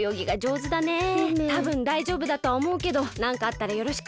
たぶんだいじょうぶだとはおもうけどなんかあったらよろしく。